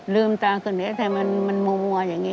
ลืมตาขึ้นเหนือแต่มันมัวอย่างนี้